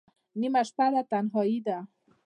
نیمه شپه ده تنهایی ده